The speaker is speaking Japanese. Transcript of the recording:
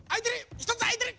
１つあいてる！